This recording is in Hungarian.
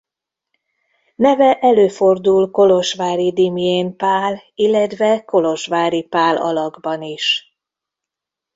Neve előfordul Kolozsvári Dimién Pál illetve Kolozsvári Pál alakban is.